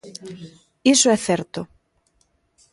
Iso é certo.